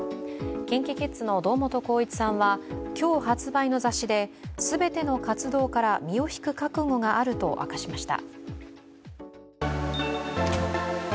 ＫｉｎＫｉＫｉｄｓの堂本光一さんは今日発売の雑誌で全ての活動から身を引く覚悟があると明かしました。